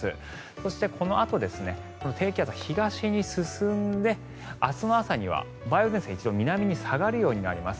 そして、このあと低気圧は東に進んで明日の朝には梅雨前線が一度南に下がるようになります。